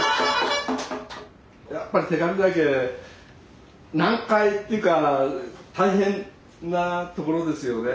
やっぱり光岳難解っていうか大変なところですよね。